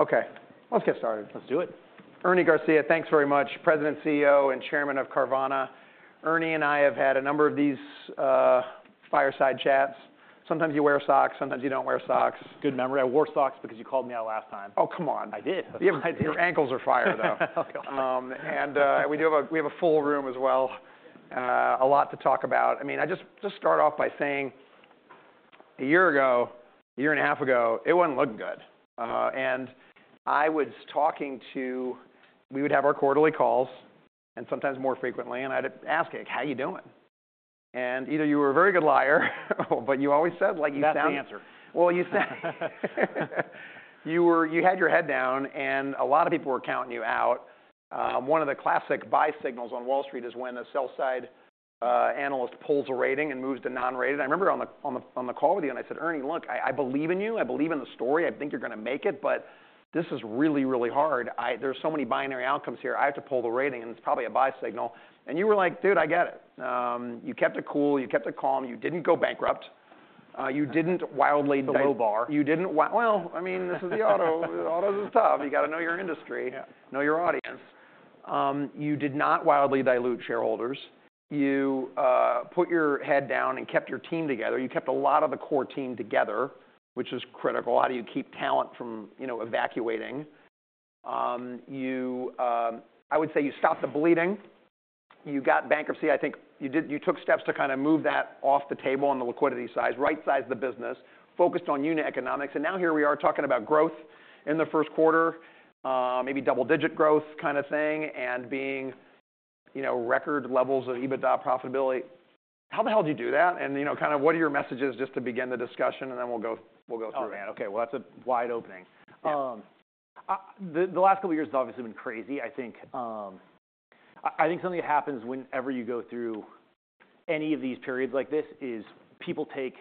Okay, let's get started. Let's do it. Ernie Garcia, thanks very much. President, CEO, and Chairman of Carvana. Ernie and I have had a number of these fireside chats. Sometimes you wear socks, sometimes you don't wear socks. Good memory. I wore socks because you called me out last time. Oh, come on! I did. You have an idea. Your ankles are fire, though. Oh, gosh. We do have a full room as well. A lot to talk about. I mean, I just start off by saying a year ago, a year and a half ago, it wasn't looking good. I was talking to you. We would have our quarterly calls and sometimes more frequently, and I'd ask, like, "How you doing?" Either you were a very good liar, but you always said, like, you sound. That's the answer. Well, you sound you were you had your head down, and a lot of people were counting you out. One of the classic buy signals on Wall Street is when a sell-side analyst pulls a rating and moves to non-rated. I remember on the call with you, and I said, "Ernie, look, I believe in you. I believe in the story. I think you're going to make it. But this is really, really hard. There's so many binary outcomes here. I have to pull the rating, and it's probably a buy signal." And you were like, "Dude, I get it." You kept it cool. You kept it calm. You didn't go bankrupt. You didn't wildly dilute. The low bar. You did wildly well, I mean, this is the auto. The auto's tough. You got to know your industry. Yeah. Know your audience. You did not wildly dilute shareholders. You put your head down and kept your team together. You kept a lot of the core team together, which is critical. How do you keep talent from, you know, evacuating? You, I would say you stopped the bleeding. You got bankruptcy. I think you did. You took steps to kind of move that off the table on the liquidity side, right-size the business, focused on unit economics. Now here we are talking about growth in the first quarter, maybe double-digit growth kind of thing, and being, you know, record levels of EBITDA profitability. How the hell did you do that? And, you know, kind of what are your messages just to begin the discussion, and then we'll go through it. Oh, man. Okay. Well, that's a wide opening. The last couple of years have obviously been crazy, I think. I think something that happens whenever you go through any of these periods like this is people take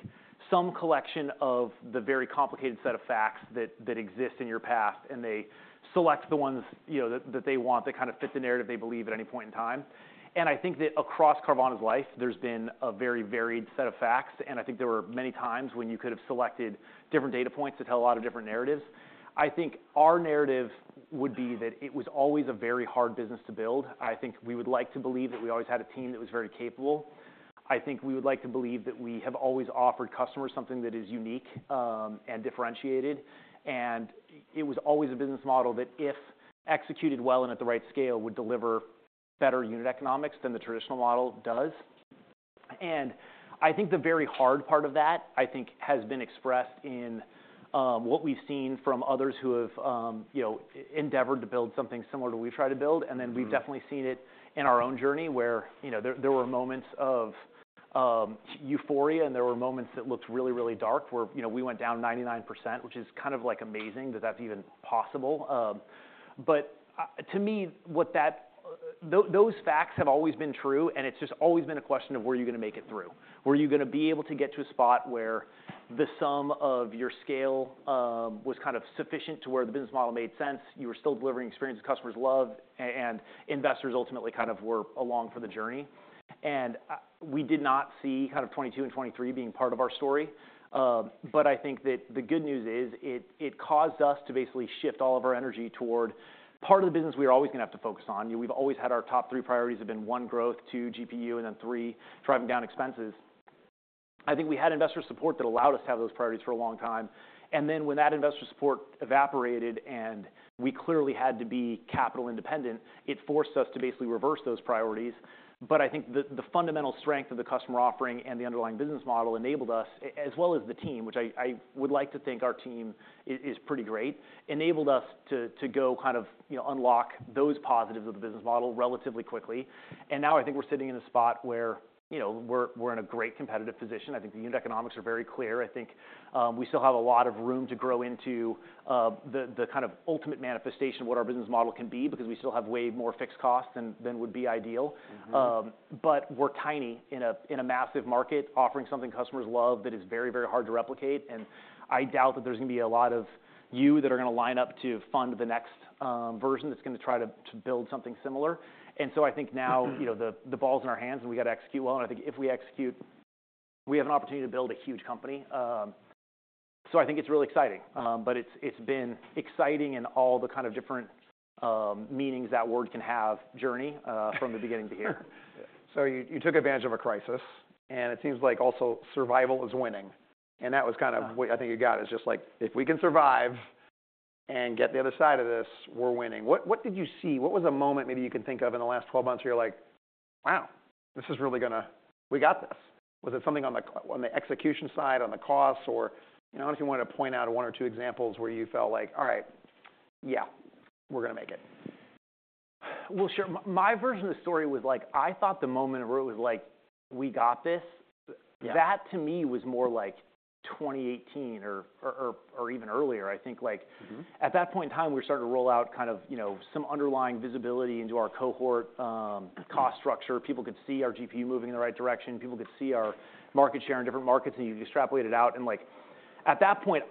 some collection of the very complicated set of facts that exist in your past, and they select the ones, you know, that they want that kind of fit the narrative they believe at any point in time. And I think that across Carvana's life, there's been a very varied set of facts. And I think there were many times when you could have selected different data points that tell a lot of different narratives. I think our narrative would be that it was always a very hard business to build. I think we would like to believe that we always had a team that was very capable. I think we would like to believe that we have always offered customers something that is unique and differentiated. And it was always a business model that if executed well and at the right scale would deliver better unit economics than the traditional model does. And I think the very hard part of that, I think, has been expressed in what we've seen from others who have, you know, endeavored to build something similar to what we've tried to build. And then we've definitely seen it in our own journey where, you know, there were moments of euphoria, and there were moments that looked really, really dark where, you know, we went down 99%, which is kind of, like, amazing that that's even possible. But to me, what those facts have always been true, and it's just always been a question of where you're going to make it through. Were you going to be able to get to a spot where the sum of your scale was kind of sufficient to where the business model made sense? You were still delivering experiences customers love, and investors ultimately kind of were along for the journey. And we did not see kind of 2022 and 2023 being part of our story. But I think that the good news is it caused us to basically shift all of our energy toward part of the business we were always going to have to focus on. You know, we've always had our top three priorities have been one, growth; two, GPU; and then three, driving down expenses. I think we had investor support that allowed us to have those priorities for a long time. And then when that investor support evaporated and we clearly had to be capital-independent, it forced us to basically reverse those priorities. But I think the fundamental strength of the customer offering and the underlying business model enabled us, as well as the team, which I would like to think our team is pretty great, enabled us to go kind of, you know, unlock those positives of the business model relatively quickly. And now I think we're sitting in a spot where, you know, we're in a great competitive position. I think the unit economics are very clear. I think we still have a lot of room to grow into the kind of ultimate manifestation of what our business model can be because we still have way more fixed costs than would be ideal. But we're tiny in a massive market offering something customers love that is very, very hard to replicate. And I doubt that there's going to be a lot of you that are going to line up to fund the next version that's going to try to build something similar. And so I think now, you know, the ball's in our hands, and we got to execute well. And I think if we execute, we have an opportunity to build a huge company. So I think it's really exciting. But it's been exciting in all the kind of different meanings that word can have, journey from the beginning to here. Yeah. So you took advantage of a crisis, and it seems like also survival is winning. And that was kind of what I think you got is just, like, if we can survive and get the other side of this, we're winning. What did you see? What was a moment maybe you can think of in the last 12 months where you're like, "Wow, this is really going to we got this"? Was it something on the execution side, on the costs, or, you know, if you wanted to point out one or two examples where you felt like, "All right, yeah, we're going to make it"? Well, sure. My version of the story was, like, I thought the moment where it was like, "We got this," that to me was more, like, 2018 or even earlier. I think, like, at that point in time, we were starting to roll out kind of, you know, some underlying visibility into our cohort, cost structure. People could see our GPU moving in the right direction. People could see our market share in different markets, and you could extrapolate it out. And, like, at that point,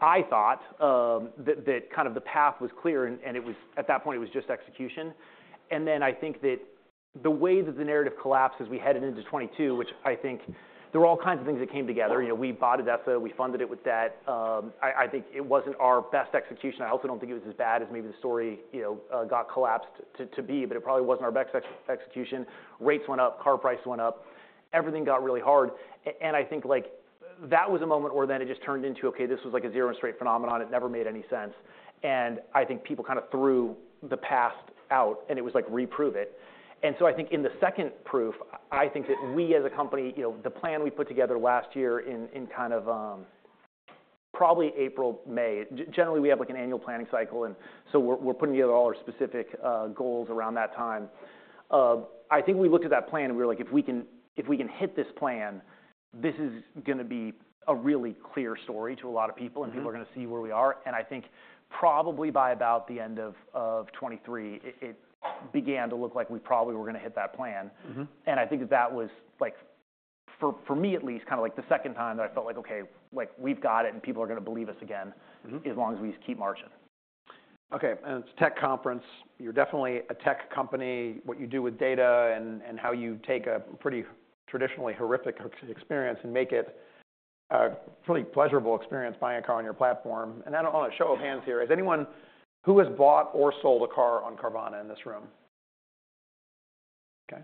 I thought that kind of the path was clear, and it was at that point, it was just execution. And then I think that the way that the narrative collapsed as we headed into 2022, which I think there were all kinds of things that came together. You know, we bought ADESA. We funded it with debt. I think it wasn't our best execution. I also don't think it was as bad as maybe the story, you know, got collapsed to be, but it probably wasn't our best execution. Rates went up. Car prices went up. Everything got really hard. And I think, like, that was a moment where then it just turned into, "Okay, this was, like, a zero-and-straight phenomenon. It never made any sense." And I think people kind of threw the past out, and it was like, "Reprove it." And so I think in the second proof, I think that we as a company, you know, the plan we put together last year in kind of, probably April, May generally, we have, like, an annual planning cycle, and so we're putting together all our specific goals around that time. I think we looked at that plan, and we were like, "If we can hit this plan, this is going to be a really clear story to a lot of people, and people are going to see where we are." And I think probably by about the end of 2023, it began to look like we probably were going to hit that plan. And I think that was, like, for me at least, kind of, like, the second time that I felt like, "Okay, like, we've got it, and people are going to believe us again as long as we just keep marching. Okay. It's a tech conference. You're definitely a tech company. What you do with data and how you take a pretty traditionally horrific experience and make it a really pleasurable experience buying a car on your platform. I don't want a show of hands here. Is anyone who has bought or sold a car on Carvana in this room? Okay.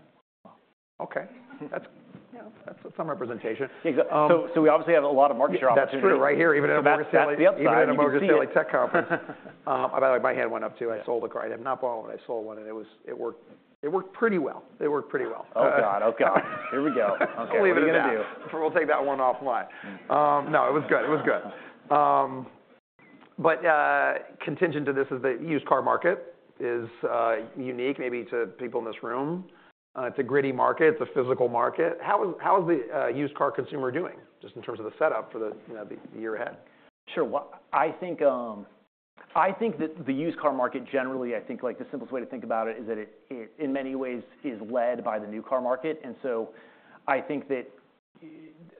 Okay. That's some representation. Yeah. So we obviously have a lot of market share opportunities. That's true right here, even at a Morgan Stanley. That's the upside. Even at a Morgan Stanley tech conference. By the way, my hand went up too. I sold a car. I didn't knock on it, but I sold one, and it worked pretty well. It worked pretty well. Oh, God. Oh, God. Here we go. Okay. What are we going to do? We'll take that one off mine. No, it was good. It was good. But contingent to this is the used car market is unique, maybe to people in this room. It's a gritty market. It's a physical market. How is the used car consumer doing just in terms of the setup for, you know, the year ahead? Sure. Well, I think that the used car market generally, I think, like, the simplest way to think about it is that it in many ways is led by the new car market. And so I think that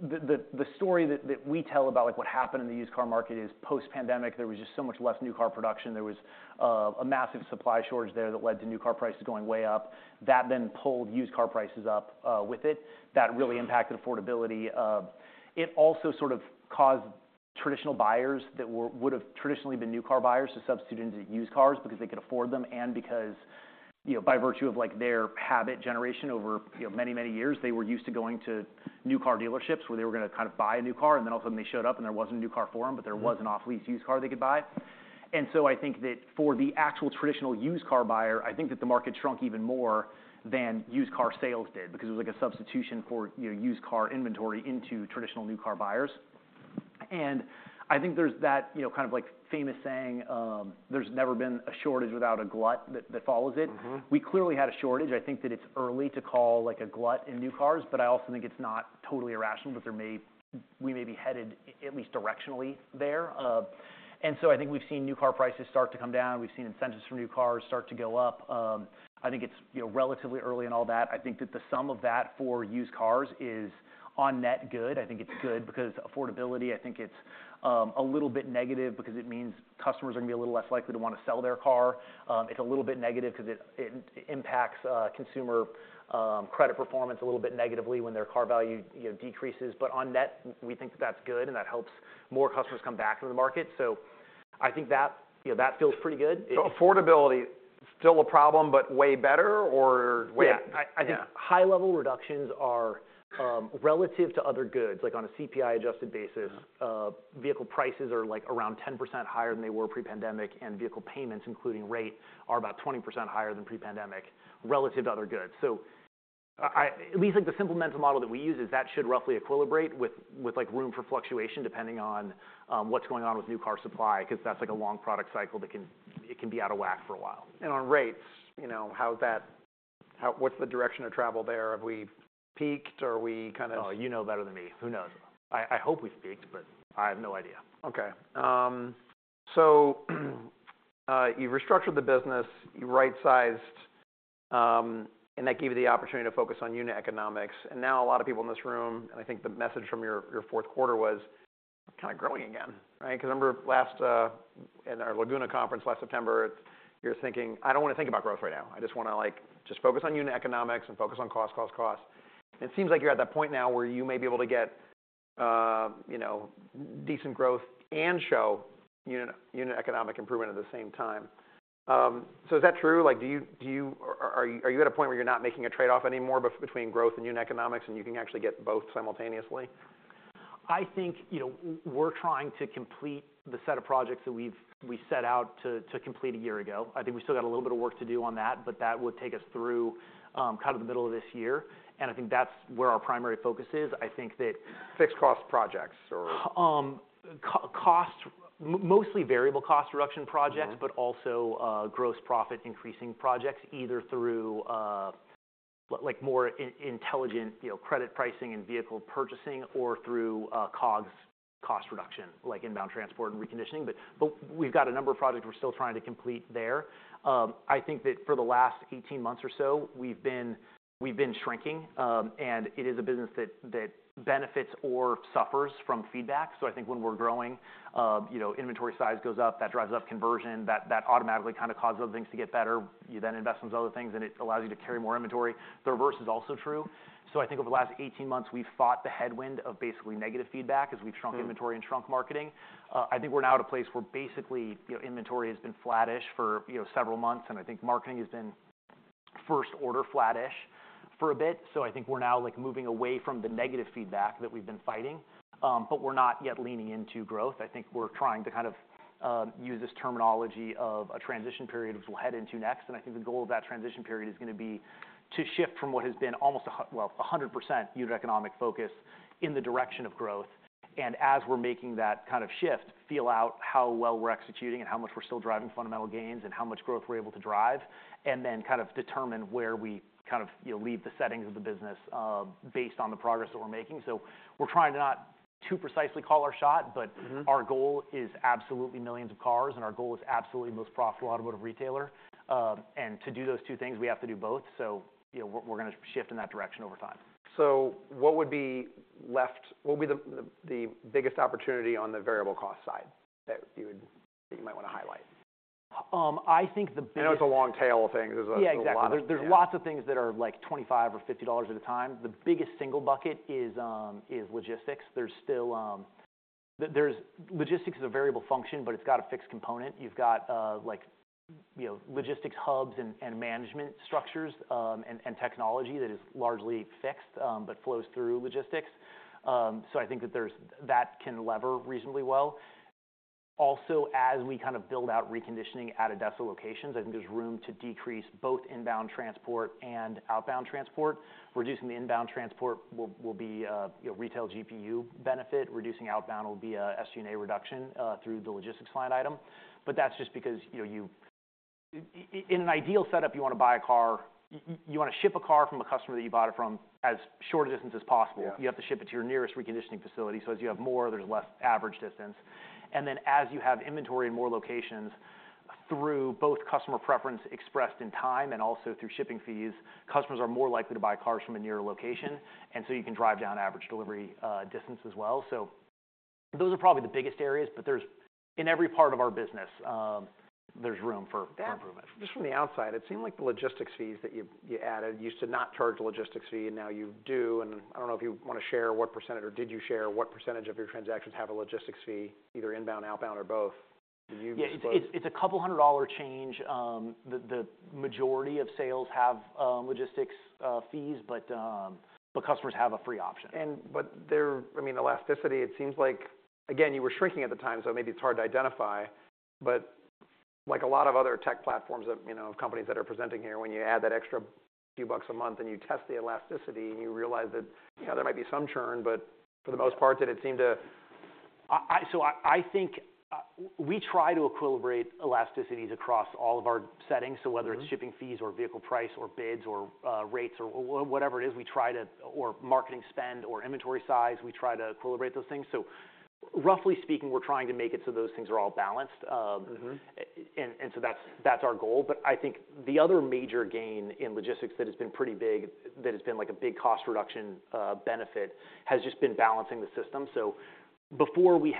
the story that we tell about, like, what happened in the used car market is post-pandemic, there was just so much less new car production. There was a massive supply shortage there that led to new car prices going way up. That then pulled used car prices up with it. That really impacted affordability. It also sort of caused traditional buyers that would have traditionally been new car buyers to substitute into used cars because they could afford them and because, you know, by virtue of, like, their habit generation over, you know, many, many years, they were used to going to new car dealerships where they were going to kind of buy a new car, and then all of a sudden they showed up, and there wasn't a new car for them, but there was an off-lease used car they could buy. And so I think that for the actual traditional used car buyer, I think that the market shrunk even more than used car sales did because it was, like, a substitution for, you know, used car inventory into traditional new car buyers. And I think there's that, you know, kind of, like, famous saying, "There's never been a shortage without a glut that follows it." We clearly had a shortage. I think that it's early to call, like, a glut in new cars, but I also think it's not totally irrational that there may be headed at least directionally there. And so I think we've seen new car prices start to come down. We've seen incentives for new cars start to go up. I think it's, you know, relatively early in all that. I think that the sum of that for used cars is on net good. I think it's good because affordability, I think it's, a little bit negative because it means customers are going to be a little less likely to want to sell their car. It's a little bit negative because it impacts consumer credit performance a little bit negatively when their car value, you know, decreases. But on net, we think that that's good, and that helps more customers come back into the market. So I think that, you know, that feels pretty good. Affordability, still a problem but way better or way up? Yeah. I think high-level reductions are, relative to other goods. Like, on a CPI-adjusted basis, vehicle prices are, like, around 10% higher than they were pre-pandemic, and vehicle payments, including rate, are about 20% higher than pre-pandemic relative to other goods. So I at least, like, the simple mental model that we use is that should roughly equilibrate with, like, room for fluctuation depending on, what's going on with new car supply because that's, like, a long product cycle that can be out of whack for a while. On rates, you know, how's that? What's the direction of travel there? Have we peaked, or are we kind of? Oh, you know better than me. Who knows? I hope we've peaked, but I have no idea. Okay. You restructured the business. You right-sized, and that gave you the opportunity to focus on unit economics. And now a lot of people in this room and I think the message from your fourth quarter was, "We're kind of growing again," right? Because I remember last, at our Laguna conference last September, you were thinking, "I don't want to think about growth right now. I just want to, like, just focus on unit economics and focus on cost, cost, cost." And it seems like you're at that point now where you may be able to get, you know, decent growth and show unit economic improvement at the same time. Is that true? Like, are you at a point where you're not making a trade-off anymore between growth and unit economics, and you can actually get both simultaneously? I think, you know, we're trying to complete the set of projects that we've set out to complete a year ago. I think we still got a little bit of work to do on that, but that would take us through, kind of, the middle of this year. I think that's where our primary focus is. I think that. Fixed-cost projects or? cost mostly variable cost reduction projects, but also, gross profit increasing projects either through, like, more intelligent, you know, credit pricing and vehicle purchasing or through, COGS cost reduction, like inbound transport and reconditioning. But we've got a number of projects we're still trying to complete there. I think that for the last 18 months or so, we've been shrinking, and it is a business that benefits or suffers from feedback. So I think when we're growing, you know, inventory size goes up, that drives up conversion. That automatically kind of causes other things to get better. You then invest in those other things, and it allows you to carry more inventory. The reverse is also true. So I think over the last 18 months, we've fought the headwind of basically negative feedback as we've shrunk inventory and shrunk marketing. I think we're now at a place where basically, you know, inventory has been flat-ish for, you know, several months, and I think marketing has been first-order flat-ish for a bit. So I think we're now, like, moving away from the negative feedback that we've been fighting, but we're not yet leaning into growth. I think we're trying to kind of, use this terminology of a transition period which we'll head into next. And I think the goal of that transition period is going to be to shift from what has been almost a well, 100% unit economic focus in the direction of growth. As we're making that kind of shift, feel out how well we're executing and how much we're still driving fundamental gains and how much growth we're able to drive, and then kind of determine where we kind of, you know, leave the settings of the business, based on the progress that we're making. So we're trying to not too precisely call our shot, but our goal is absolutely millions of cars, and our goal is absolutely most profitable automotive retailer. And to do those two things, we have to do both. So, you know, we're going to shift in that direction over time. What would be the biggest opportunity on the variable cost side that you might want to highlight? I think the biggest. I know it's a long tail of things. Is that? Yeah. Exactly. There's lots of things that are, like, $25 or $50 at a time. The biggest single bucket is logistics. There's still logistics is a variable function, but it's got a fixed component. You've got, like, you know, logistics hubs and management structures, and technology that is largely fixed, but flows through logistics. So I think that there's that can leverage reasonably well. Also, as we kind of build out reconditioning at ADESA locations, I think there's room to decrease both inbound transport and outbound transport. Reducing the inbound transport will be, you know, retail GPU benefit. Reducing outbound will be a SG&A reduction, through the logistics line item. But that's just because, you know, in an ideal setup, you want to buy a car you want to ship a car from a customer that you bought it from as short a distance as possible. You have to ship it to your nearest reconditioning facility. So as you have more, there's less average distance. And then as you have inventory in more locations, through both customer preference expressed in time and also through shipping fees, customers are more likely to buy cars from a nearer location, and so you can drive down average delivery distance as well. So those are probably the biggest areas, but there's in every part of our business, there's room for improvement. Just from the outside, it seemed like the logistics fees that you added used to not charge a logistics fee, and now you do. I don't know if you want to share what percentage or did you share what percentage of your transactions have a logistics fee, either inbound, outbound, or both. Did you? Yeah. It's a $200 change. The majority of sales have logistics fees, but customers have a free option. But they're, I mean, elasticity. It seems like again, you were shrinking at the time, so maybe it's hard to identify, but like a lot of other tech platforms that, you know, of companies that are presenting here, when you add that extra few bucks a month and you test the elasticity, and you realize that, you know, there might be some churn, but for the most part, did it seem to? So I think we try to equilibrate elasticities across all of our settings. So whether it's shipping fees or vehicle price or bids or rates or whatever it is, we try to equilibrate marketing spend or inventory size, we try to equilibrate those things. So roughly speaking, we're trying to make it so those things are all balanced, and so that's our goal. But I think the other major gain in logistics that has been pretty big, like a big cost reduction benefit, has just been balancing the system. So before, we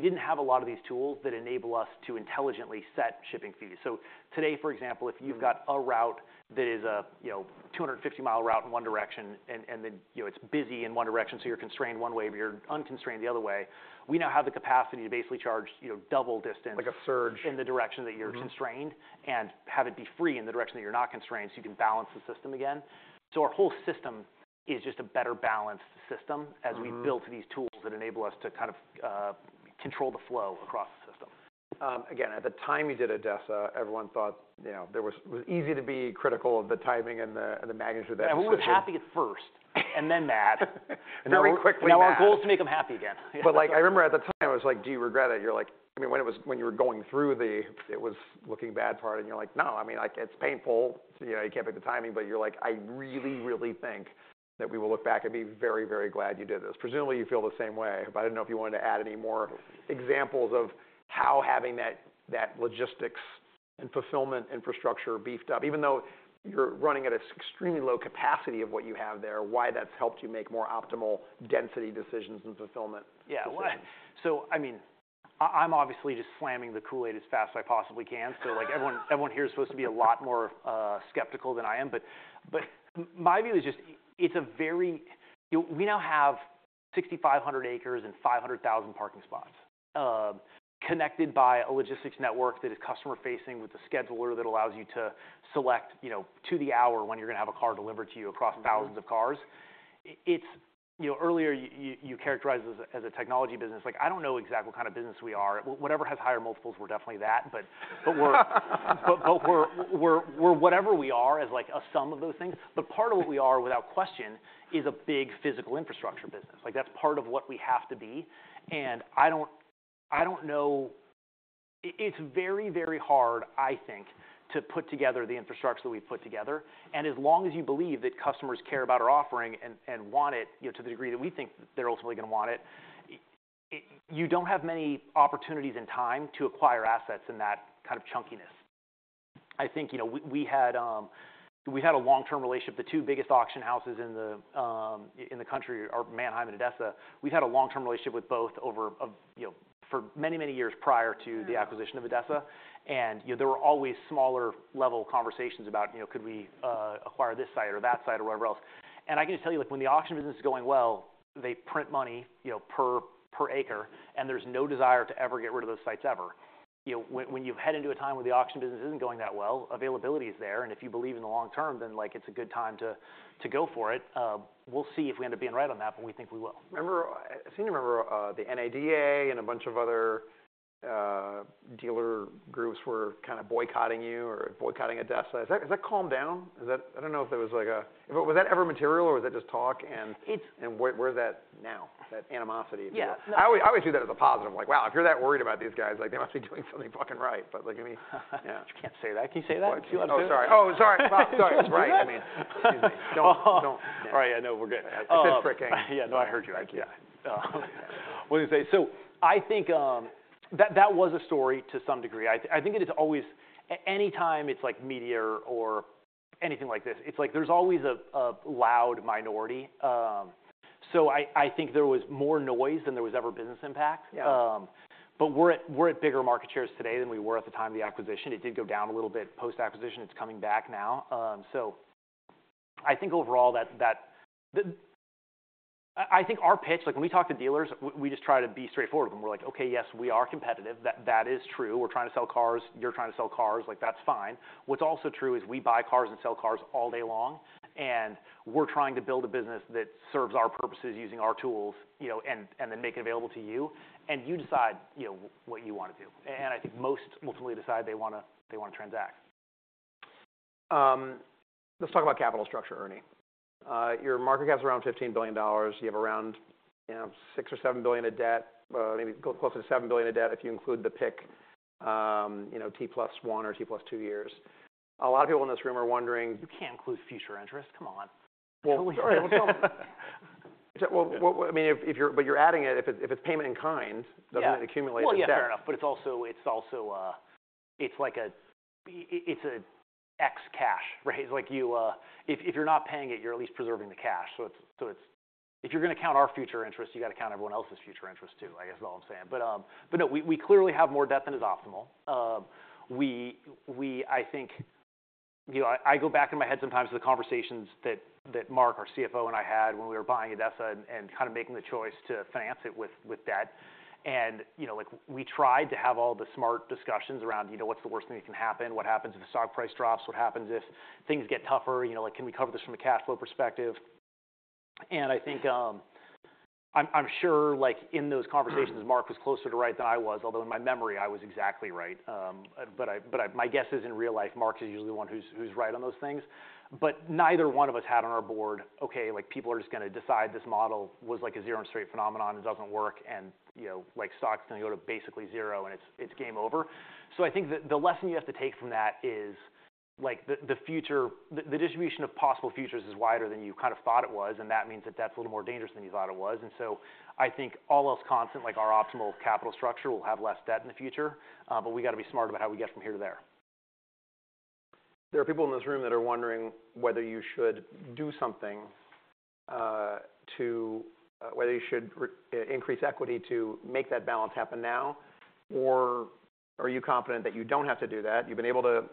didn't have a lot of these tools that enable us to intelligently set shipping fees. So today, for example, if you've got a route that is a, you know, 250-mile route in one direction, and then, you know, it's busy in one direction, so you're constrained one way, but you're unconstrained the other way, we now have the capacity to basically charge, you know, double distance. Like a surge. In the direction that you're constrained and have it be free in the direction that you're not constrained so you can balance the system again. So our whole system is just a better balanced system as we built these tools that enable us to kind of control the flow across the system. Again, at the time you did ADESA, everyone thought, you know, it was easy to be critical of the timing and the magnitude of that shift. Yeah. Everyone was happy at first and then mad very quickly. Now our goal is to make them happy again. Yeah. But, like, I remember at the time, it was like, "Do you regret it?" You're like, I mean, when it was when you were going through the it was looking bad part, and you're like, "No. I mean, like, it's painful. You know, you can't pick the timing." But you're like, "I really, really think that we will look back and be very, very glad you did this." Presumably, you feel the same way. But I didn't know if you wanted to add any more examples of how having that that logistics and fulfillment infrastructure beefed up, even though you're running at an extremely low capacity of what you have there, why that's helped you make more optimal density decisions and fulfillment. Yeah. So I mean, I'm obviously just slamming the Kool-Aid as fast as I possibly can. So, like, everyone here is supposed to be a lot more skeptical than I am. But my view is just it's a very you know, we now have 6,500 acres and 500,000 parking spots, connected by a logistics network that is customer-facing with a scheduler that allows you to select, you know, to the hour when you're going to have a car delivered to you across thousands of cars. It's you know, earlier, you characterized us as a technology business. Like, I don't know exactly what kind of business we are. Whatever has higher multiples, we're definitely that. But we're whatever we are as, like, a sum of those things. But part of what we are, without question, is a big physical infrastructure business. Like, that's part of what we have to be. And I don't I don't know it's very, very hard, I think, to put together the infrastructure that we've put together. And as long as you believe that customers care about our offering and want it, you know, to the degree that we think that they're ultimately going to want it, you don't have many opportunities in time to acquire assets in that kind of chunkiness. I think, you know, we had, we had a long-term relationship. The two biggest auction houses in the country are Manheim and ADESA. We've had a long-term relationship with both over, you know, for many, many years prior to the acquisition of ADESA. You know, there were always smaller-level conversations about, you know, "Could we acquire this site or that site or whatever else?" And I can just tell you, like, when the auction business is going well, they print money, you know, per acre, and there's no desire to ever get rid of those sites ever. You know, when you head into a time where the auction business isn't going that well, availability is there. And if you believe in the long term, then, like, it's a good time to go for it. We'll see if we end up being right on that, but we think we will. Remember, I seem to remember, the NADA and a bunch of other dealer groups were kind of boycotting you or boycotting ADESA. Is that calmed down? I don't know if there was, like, a—was that ever material, or was that just talk? And where's that now, that animosity? Yeah. I always view that as a positive. Like, "Wow. If you're that worried about these guys, like, they must be doing something fucking right." But, like, I mean, yeah. You can't say that. Can you say that? Do you want to? Oh, sorry. Oh, sorry. Sorry. It's right. I mean, excuse me. Don't, don't. All right. I know. We're good. It says [Prick Hank]. Yeah. No, I heard you. Thank you. Yeah. What did he say? So I think that was a story to some degree. I think it is always at any time it's, like, media or anything like this, it's like there's always a loud minority. So I think there was more noise than there was ever business impact. But we're at bigger market shares today than we were at the time of the acquisition. It did go down a little bit post-acquisition. It's coming back now. So I think overall, the, I think our pitch like, when we talk to dealers, we just try to be straightforward with them. We're like, "Okay. Yes. We are competitive. That is true. We're trying to sell cars. You're trying to sell cars. Like, that's fine. What's also true is we buy cars and sell cars all day long, and we're trying to build a business that serves our purposes using our tools, you know, and then make it available to you. And you decide, you know, what you want to do. And I think most ultimately decide they want to transact. Let's talk about capital structure, Ernie. Your market cap's around $15 billion. You have around, you know, $6 billion or $7 billion of debt, maybe closer to $7 billion of debt if you include the PIK, you know, T+1 or T+2 years. A lot of people in this room are wondering. You can't include future interest. Come on. Well, sorry. Well, tell me. Well, well, well, I mean, if you're but you're adding it, if it's payment in kind, doesn't it accumulate in debt? Well, yeah. Fair enough. But it's also like a PIK cash, right? It's like you, if you're not paying it, you're at least preserving the cash. So it's if you're going to count our future interest, you got to count everyone else's future interest too, I guess is all I'm saying. But no, we clearly have more debt than is optimal. I think, you know, I go back in my head sometimes to the conversations that Mark, our CFO, and I had when we were buying ADESA and kind of making the choice to finance it with debt. And, you know, like, we tried to have all the smart discussions around, you know, what's the worst thing that can happen? What happens if the stock price drops? What happens if things get tougher? You know, like, can we cover this from a cash flow perspective? And I think, I'm sure, like, in those conversations, Mark was closer to right than I was, although in my memory, I was exactly right. But my guess is in real life, Mark is usually the one who's right on those things. But neither one of us had on our board, "Okay. Like, people are just going to decide this model was, like, a zero-and-straight phenomenon. It doesn't work. And, you know, like, stock's going to go to basically zero, and it's game over." So I think that the lesson you have to take from that is, like, the future the distribution of possible futures is wider than you kind of thought it was, and that means that debt's a little more dangerous than you thought it was. I think all else constant, like our optimal capital structure, we'll have less debt in the future. But we got to be smart about how we get from here to there. There are people in this room that are wondering whether you should do something, to whether you should increase equity to make that balance happen now, or are you confident that you don't have to do that? You've been able to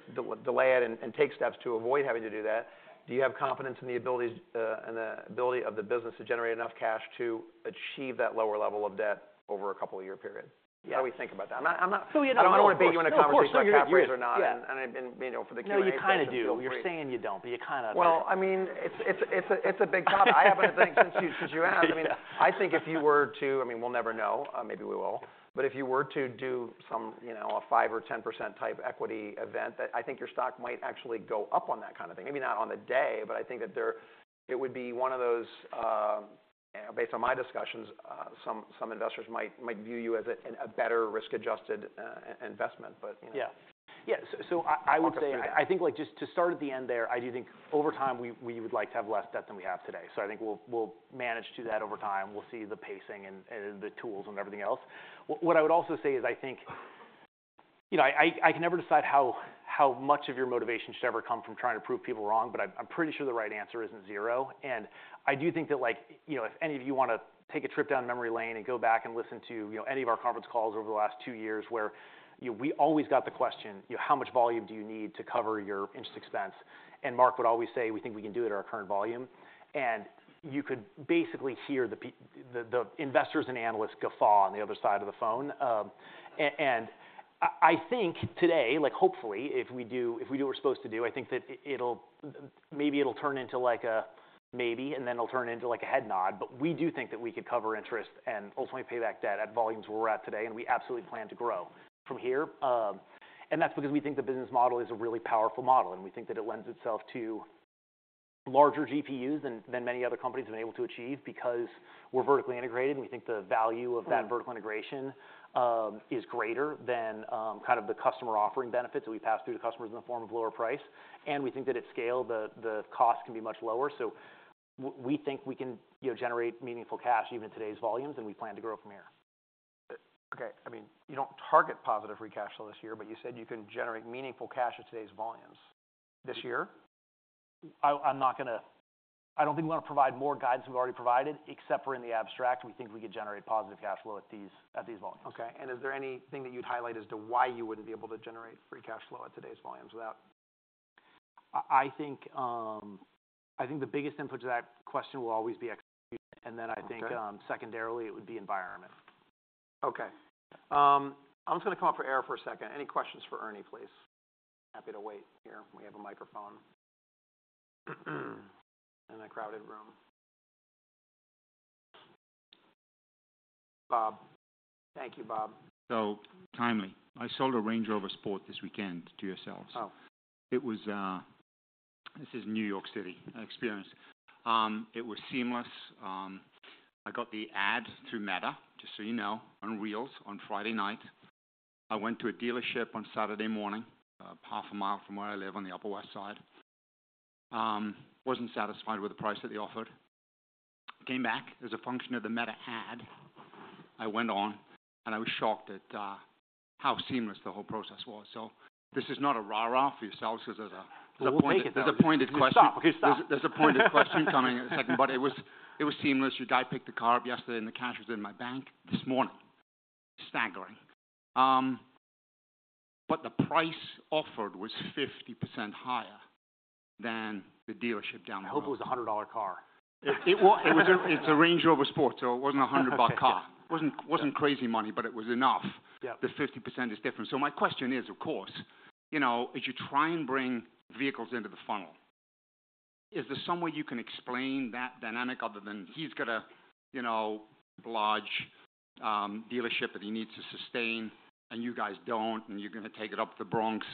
delay it and take steps to avoid having to do that. Do you have confidence in the abilities and the ability of the business to generate enough cash to achieve that lower level of debt over a couple-year period? Yeah. How do we think about that? I'm not. I don't want to bait you into a conversation about cash flows or not. Yeah. I mean, you know, for the Q&A too. No, you kind of do. You're saying you don't, but you kind of don't. Well, I mean, it's a big topic. I happen to think since you asked, I mean, I think if you were to I mean, we'll never know. Maybe we will. But if you were to do some, you know, a 5%-10% type equity event, that I think your stock might actually go up on that kind of thing. Maybe not on the day, but I think that there it would be one of those, you know, based on my discussions, some investors might view you as a better risk-adjusted investment. But, you know. Yeah. Yeah. So I would say I think, like, just to start at the end there, I do think over time, we would like to have less debt than we have today. So I think we'll manage to that over time. We'll see the pacing and the tools and everything else. What I would also say is I think, you know, I can never decide how much of your motivation should ever come from trying to prove people wrong, but I'm pretty sure the right answer isn't zero. And I do think that, like, you know, if any of you want to take a trip down memory lane and go back and listen to, you know, any of our conference calls over the last two years where, you know, we always got the question, you know, "How much volume do you need to cover your interest expense?" And Mark would always say, "We think we can do it at our current volume." And you could basically hear the investors and analysts guffaw on the other side of the phone. And I think today, like, hopefully, if we do what we're supposed to do, I think that it'll maybe turn into, like, a maybe, and then it'll turn into, like, a head nod. But we do think that we could cover interest and ultimately pay back debt at volumes where we're at today, and we absolutely plan to grow from here. And that's because we think the business model is a really powerful model, and we think that it lends itself to larger GPUs than many other companies have been able to achieve because we're vertically integrated, and we think the value of that vertical integration is greater than, kind of the customer offering benefits that we pass through to customers in the form of lower price. And we think that at scale, the cost can be much lower. So we think we can, you know, generate meaningful cash even at today's volumes, and we plan to grow from here. Okay. I mean, you don't target positive free cash flow this year, but you said you can generate meaningful cash at today's volumes. This year? I'm not going to. I don't think we want to provide more guidance than we've already provided, except we're in the abstract. We think we could generate positive cash flow at these volumes. Okay. And is there anything that you'd highlight as to why you wouldn't be able to generate free cash flow at today's volumes without? I think, I think the biggest input to that question will always be execution. And then I think, secondarily, it would be environment. Okay. I'm just going to come up for air for a second. Any questions for Ernie, please? Happy to wait here. We have a microphone in a crowded room. Bob. Thank you, Bob. So timely. I sold a Range Rover Sport this weekend to yourselves. Oh. It was this New York City experience. It was seamless. I got the ad through Meta, just so you know, on Reels on Friday night. I went to a dealership on Saturday morning, half a mile from where I live on the Upper West Side. Wasn't satisfied with the price that they offered. Came back. As a function of the Meta ad, I went on, and I was shocked at how seamless the whole process was. So this is not a rah-rah for yourselves because there's a pointed question. We'll take it there. There's a pointed question coming in a second. But it was it was seamless. Your guy picked the car up yesterday, and the cash was in my bank this morning. Staggering, but the price offered was 50% higher than the dealership down the road. I hope it was a $100 car. It was a Range Rover Sport, so it wasn't a $100 car. It wasn't crazy money, but it was enough. The 50% is different. So my question is, of course, you know, as you try and bring vehicles into the funnel, is there some way you can explain that dynamic other than he's got a, you know, large, dealership that he needs to sustain, and you guys don't, and you're going to take it up to the Bronx?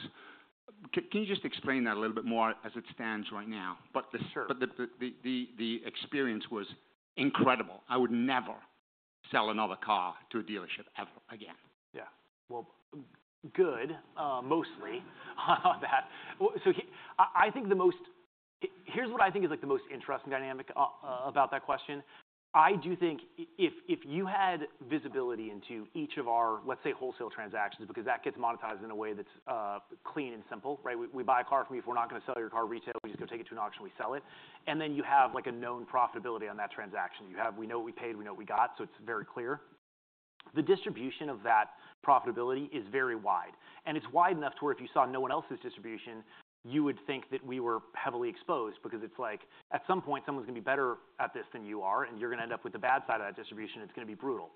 Can you just explain that a little bit more as it stands right now? Sure. But the experience was incredible. I would never sell another car to a dealership ever again. Yeah. Well, good, mostly on that. So I think here's what I think is, like, the most interesting dynamic about that question. I do think if you had visibility into each of our, let's say, wholesale transactions because that gets monetized in a way that's clean and simple, right? We buy a car from you. If we're not going to sell your car retail, we just go take it to an auction, and we sell it. And then you have, like, a known profitability on that transaction. You have we know what we paid. We know what we got, so it's very clear. The distribution of that profitability is very wide. It's wide enough to where if you saw no one else's distribution, you would think that we were heavily exposed because it's like, at some point, someone's going to be better at this than you are, and you're going to end up with the bad side of that distribution. It's going to be brutal.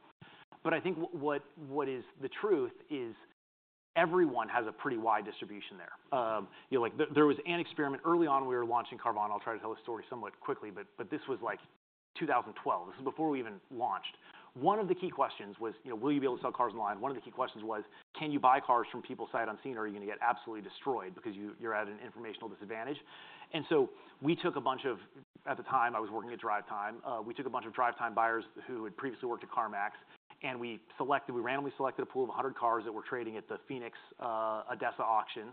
But I think what is the truth is everyone has a pretty wide distribution there. You know, like, there was an experiment early on when we were launching Carvana. I'll try to tell this story somewhat quickly, but this was, like, 2012. This was before we even launched. One of the key questions was, you know, will you be able to sell cars online? One of the key questions was, can you buy cars from people sight unseen, or are you going to get absolutely destroyed because you're at an informational disadvantage? And so we took a bunch of—at the time, I was working at DriveTime—DriveTime buyers who had previously worked at CarMax, and we randomly selected a pool of 100 cars that were trading at the Phoenix ADESA auction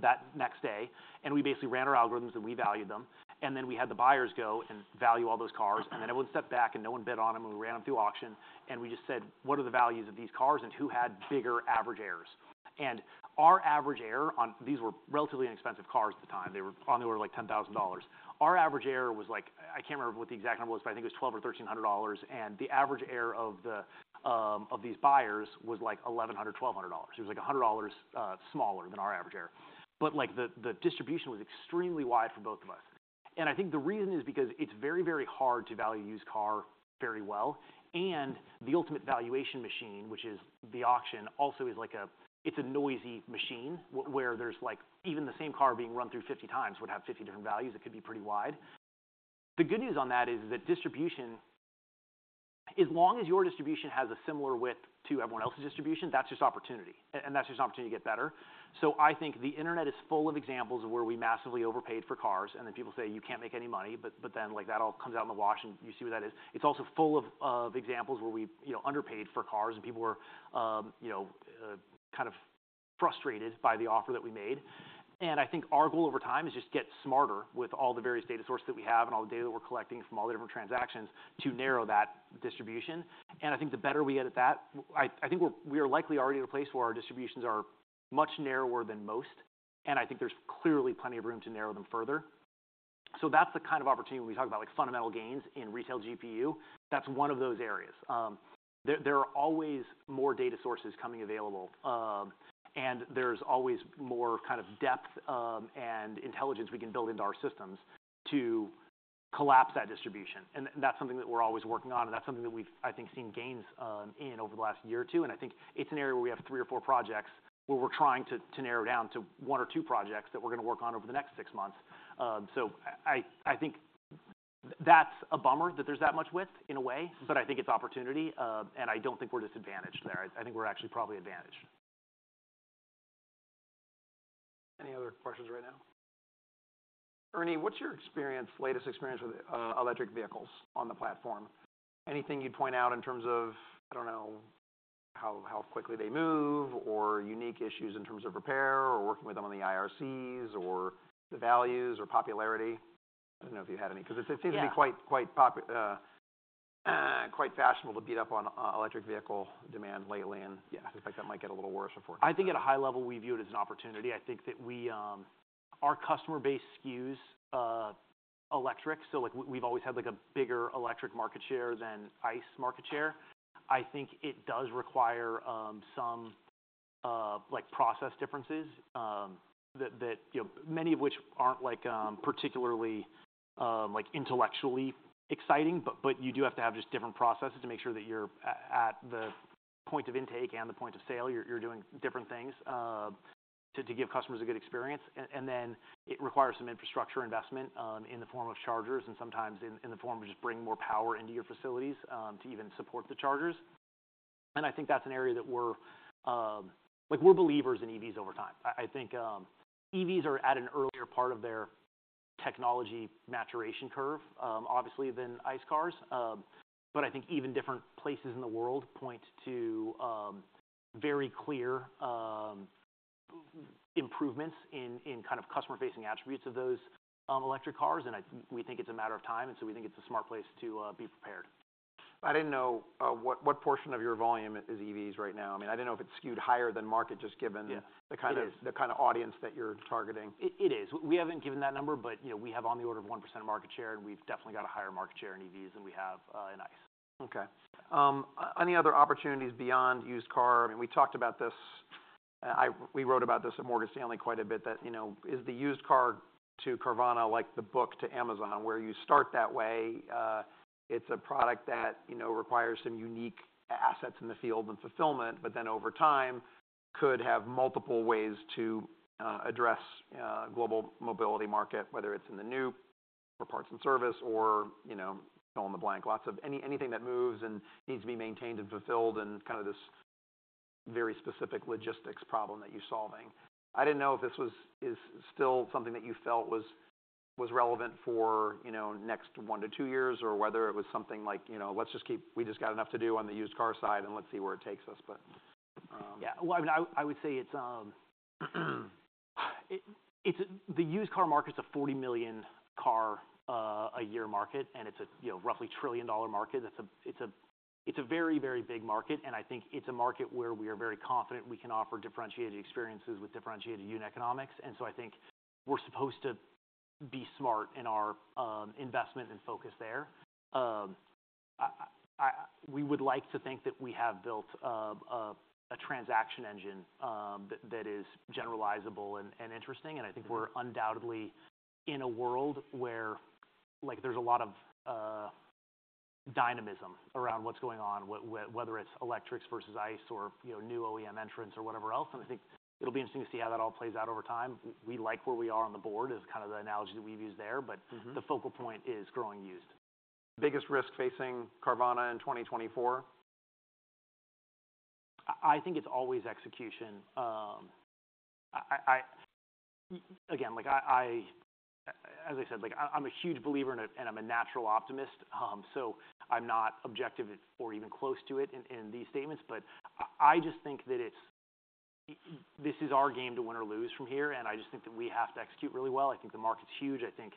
that next day. And we basically ran our algorithms, and we valued them. And then we had the buyers go and value all those cars. And then everyone stepped back, and no one bid on them, and we ran them through auction. And we just said, what are the values of these cars, and who had bigger average errors? And our average error on these were relatively inexpensive cars at the time. They were on the order of, like, $10,000. Our average error was, like, I can't remember what the exact number was, but I think it was $1,200 or $1,300. And the average error of these buyers was, like, $1,100 or $1,200. It was, like, $100 smaller than our average error. But, like, the distribution was extremely wide for both of us. And I think the reason is because it's very, very hard to value used car very well. And the ultimate valuation machine, which is the auction, also is, like, it's a noisy machine where there's, like, even the same car being run through 50 times would have 50 different values. It could be pretty wide. The good news on that is that distribution as long as your distribution has a similar width to everyone else's distribution, that's just opportunity. And that's just an opportunity to get better. So I think the internet is full of examples of where we massively overpaid for cars, and then people say, you can't make any money. But then, like, that all comes out in the wash, and you see what that is. It's also full of examples where we, you know, underpaid for cars, and people were, you know, kind of frustrated by the offer that we made. And I think our goal over time is just to get smarter with all the various data sources that we have and all the data that we're collecting from all the different transactions to narrow that distribution. And I think the better we get at that, I think we are likely already at a place where our distributions are much narrower than most. I think there's clearly plenty of room to narrow them further. So that's the kind of opportunity when we talk about, like, fundamental gains in retail GPU. That's one of those areas. There are always more data sources coming available. And there's always more kind of depth, and intelligence we can build into our systems to collapse that distribution. And that's something that we're always working on, and that's something that we've, I think, seen gains in over the last year or two. And I think it's an area where we have three or four projects where we're trying to narrow down to one or two projects that we're going to work on over the next six months. So I think that's a bummer that there's that much width in a way, but I think it's opportunity. And I don't think we're disadvantaged there. I think we're actually probably advantaged. Any other questions right now? Ernie, what's your latest experience with electric vehicles on the platform? Anything you'd point out in terms of, I don't know, how quickly they move or unique issues in terms of repair or working with them on the IRCs or the values or popularity? I don't know if you had any because it seems to be quite popular, quite fashionable to beat up on electric vehicle demand lately. And yeah, I suspect that might get a little worse before. I think at a high level, we view it as an opportunity. I think that we, our customer base skews, electric. So, like, we've always had, like, a bigger electric market share than ICE market share. I think it does require, some, like, process differences, that, you know, many of which aren't, like, particularly, like, intellectually exciting. But you do have to have just different processes to make sure that you're at the point of intake and the point of sale. You're doing different things, to give customers a good experience. And then it requires some infrastructure investment, in the form of chargers and sometimes in the form of just bringing more power into your facilities, to even support the chargers. And I think that's an area that we're, like, believers in EVs over time. I think, EVs are at an earlier part of their technology maturation curve, obviously, than ICE cars. But I think even different places in the world point to very clear improvements in kind of customer-facing attributes of those electric cars. And we think it's a matter of time. And so we think it's a smart place to be prepared. I didn't know what portion of your volume is EVs right now? I mean, I didn't know if it skewed higher than market just given the kind of audience that you're targeting. It is. We haven't given that number, but, you know, we have on the order of 1% of market share, and we've definitely got a higher market share in EVs than we have in ICE. Okay. Any other opportunities beyond used car? I mean, we talked about this. We wrote about this at Morgan Stanley quite a bit that, you know, is the used car to Carvana, like, the book to Amazon, where you start that way, it's a product that, you know, requires some unique assets in the field and fulfillment, but then over time could have multiple ways to address global mobility market, whether it's in the new or parts and service or, you know, fill in the blank, lots of anything that moves and needs to be maintained and fulfilled and kind of this very specific logistics problem that you're solving. I didn't know if this was still something that you felt was relevant for, you know, next one to two years or whether it was something like, you know, let's just keep we just got enough to do on the used car side, and let's see where it takes us. But, Yeah. Well, I mean, I would say it's the used car market's a 40 million car a year market, and it's a, you know, roughly $1 trillion market. That's a very, very big market. And I think it's a market where we are very confident we can offer differentiated experiences with differentiated unit economics. And so I think we're supposed to be smart in our investment and focus there. We would like to think that we have built a transaction engine that is generalizable and interesting. And I think we're undoubtedly in a world where, like, there's a lot of dynamism around what's going on, whether it's electrics versus ICE or, you know, new OEM entrants or whatever else. And I think it'll be interesting to see how that all plays out over time. We like where we are on the board is kind of the analogy that we've used there. But the focal point is growing used. Biggest risk facing Carvana in 2024? I think it's always execution. I again, like, as I said, like, I'm a huge believer in it, and I'm a natural optimist. So I'm not objective or even close to it in these statements. But I just think that this is our game to win or lose from here. And I just think that we have to execute really well. I think the market's huge. I think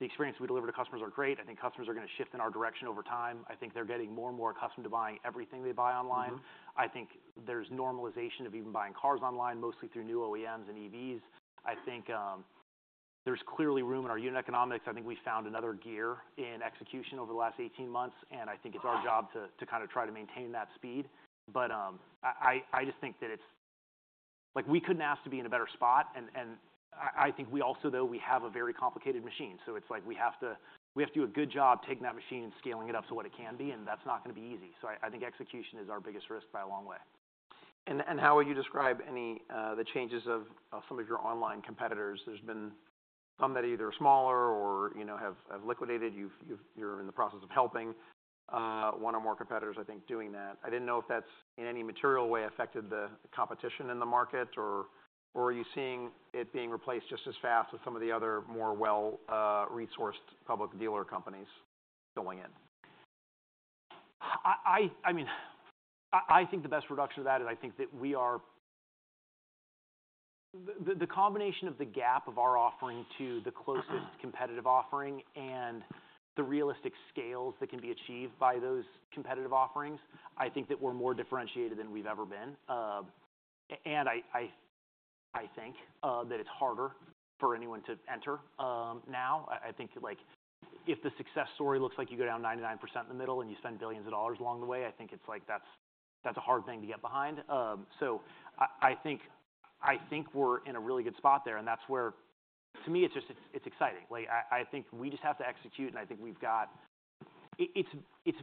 the experience we deliver to customers are great. I think customers are going to shift in our direction over time. I think they're getting more and more accustomed to buying everything they buy online. I think there's normalization of even buying cars online, mostly through new OEMs and EVs. I think there's clearly room in our unit economics. I think we found another gear in execution over the last 18 months. I think it's our job to kind of try to maintain that speed. But I just think that it's like, we couldn't ask to be in a better spot. And I think we also, though, we have a very complicated machine. So it's like, we have to do a good job taking that machine and scaling it up to what it can be. And that's not going to be easy. So I think execution is our biggest risk by a long way. How would you describe any the changes of some of your online competitors? There's been some that are either smaller or, you know, have liquidated. You're in the process of helping one or more competitors, I think, doing that. I didn't know if that's in any material way affected the competition in the market, or are you seeing it being replaced just as fast with some of the other more well resourced public dealer companies filling in? I mean, I think the best production of that is I think that we are the combination of the gap of our offering to the closest competitive offering and the realistic scales that can be achieved by those competitive offerings. I think that we're more differentiated than we've ever been. I think that it's harder for anyone to enter now. I think, like, if the success story looks like you go down 99% in the middle and you spend billions of dollars along the way, I think it's like, that's a hard thing to get behind. I think we're in a really good spot there. That's where to me, it's just it's exciting. Like, I think we just have to execute. I think we've got, it's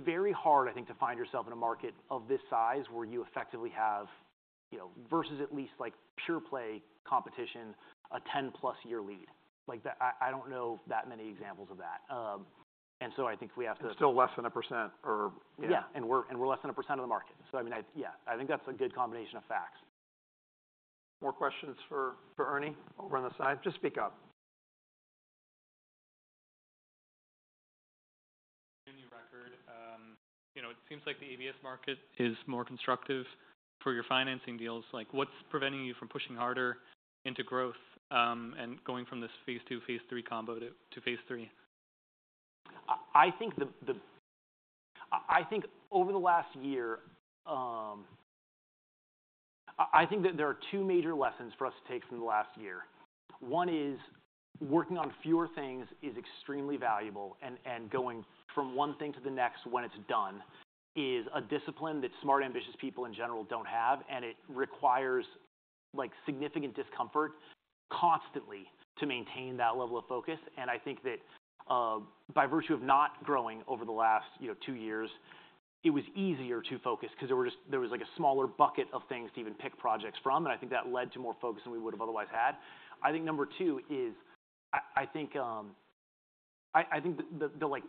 very hard, I think, to find yourself in a market of this size where you effectively have, you know, versus at least, like, pure play competition, a 10+ year lead. Like, I don't know that many examples of that. And so I think we have to. It's still less than 1% or. Yeah. And we're less than 1% of the market. So, I mean, yeah. I think that's a good combination of facts. More questions for Ernie over on the side? Just speak up. New record. You know, it seems like the ABS market is more constructive for your financing deals. Like, what's preventing you from pushing harder into growth, and going from this phase two, phase three combo to phase three? I think over the last year, there are two major lessons for us to take from the last year. One is working on fewer things is extremely valuable. And going from one thing to the next when it's done is a discipline that smart, ambitious people in general don't have. And it requires, like, significant discomfort constantly to maintain that level of focus. And I think that, by virtue of not growing over the last, you know, two years, it was easier to focus because there was just, like, a smaller bucket of things to even pick projects from. And I think that led to more focus than we would have otherwise had. I think number two is, I think, like,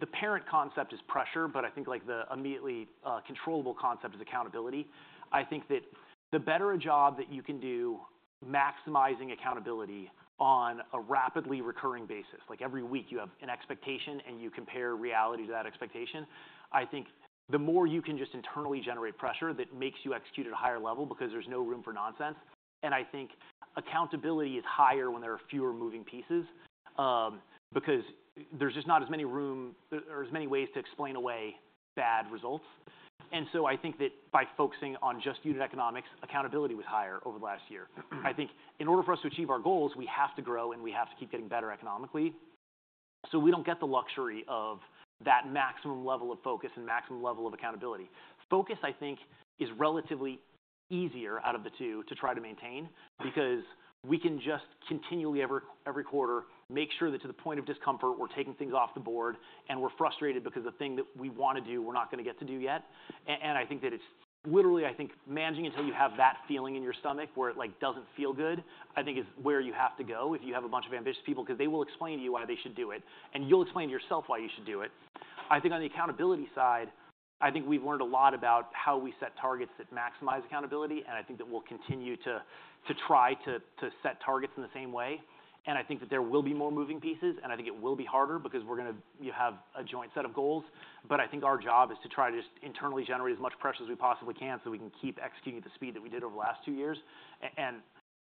the parent concept is pressure, but I think, like, the immediately, controllable concept is accountability. I think that the better a job that you can do maximizing accountability on a rapidly recurring basis, like, every week you have an expectation, and you compare reality to that expectation, I think the more you can just internally generate pressure that makes you execute at a higher level because there's no room for nonsense. And I think accountability is higher when there are fewer moving pieces, because there's just not as many room or as many ways to explain away bad results. And so I think that by focusing on just unit economics, accountability was higher over the last year. I think in order for us to achieve our goals, we have to grow, and we have to keep getting better economically. So we don't get the luxury of that maximum level of focus and maximum level of accountability. Focus, I think, is relatively easier out of the two to try to maintain because we can just continually every quarter make sure that to the point of discomfort, we're taking things off the board, and we're frustrated because the thing that we want to do, we're not going to get to do yet. And I think that it's literally, I think, managing until you have that feeling in your stomach where it, like, doesn't feel good, I think, is where you have to go if you have a bunch of ambitious people because they will explain to you why they should do it. And you'll explain to yourself why you should do it. I think on the accountability side, I think we've learned a lot about how we set targets that maximize accountability. And I think that we'll continue to try to set targets in the same way. And I think that there will be more moving pieces. And I think it will be harder because we're going to, you know, have a joint set of goals. But I think our job is to try to just internally generate as much pressure as we possibly can so we can keep executing at the speed that we did over the last two years. And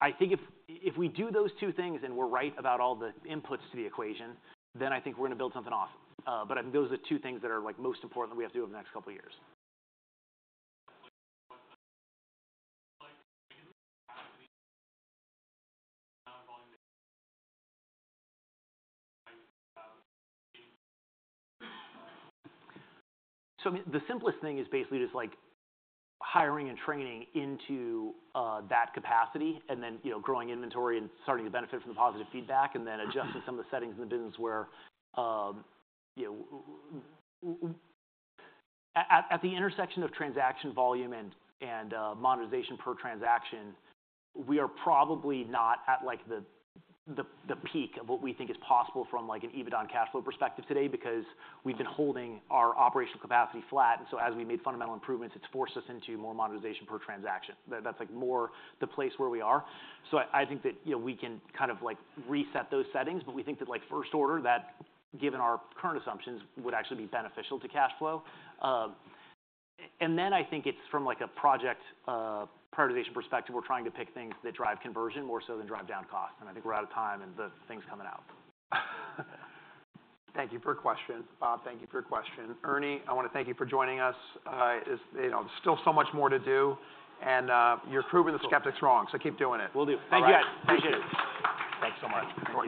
I think if we do those two things and we're right about all the inputs to the equation, then I think we're going to build something awesome. But I think those are the two things that are, like, most important that we have to do over the next couple of years. So, I mean, the simplest thing is basically just, like, hiring and training into that capacity and then, you know, growing inventory and starting to benefit from the positive feedback and then adjusting some of the settings in the business where, you know, at the intersection of transaction volume and monetization per transaction, we are probably not at, like, the peak of what we think is possible from, like, an EBITDA on cash flow perspective today because we've been holding our operational capacity flat. And so as we made fundamental improvements, it's forced us into more monetization per transaction. That's, like, more the place where we are. So I think that, you know, we can kind of, like, reset those settings. But we think that, like, first order, that given our current assumptions, would actually be beneficial to cash flow. And then I think it's from, like, a project, prioritization perspective, we're trying to pick things that drive conversion more so than drive down costs. And I think we're out of time, and the thing's coming out. Thank you for your question, Bob. Thank you for your question. Ernie, I want to thank you for joining us. It's, you know, there's still so much more to do. And, you're proving the skeptics wrong. So keep doing it. Will do. Thank you guys. Appreciate it. Thank you. Thanks so much. Thank you.